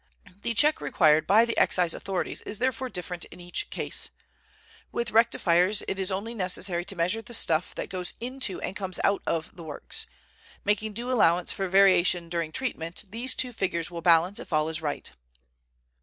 The check required by the Excise authorities is therefore different in each case. With rectifiers it is only necessary to measure the stuff that goes into and comes out of the works. Making due allowance for variation during treatment, these two figures will balance if all is right."